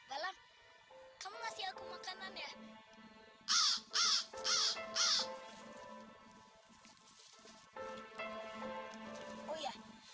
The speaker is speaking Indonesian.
selamatkanlah iya ya allah